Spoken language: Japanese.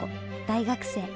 大学生。